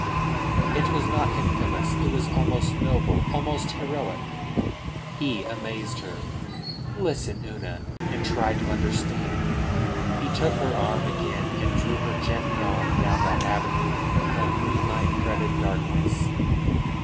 "It was not infamous. It was almost noble, almost heroic," he amazed her. "Listen, Una, and try to understand." He took her arm again and drew her gently on down that avenue of moonlight fretted darkness.